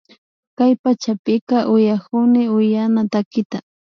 Kay pachapika uyakuni huyano takita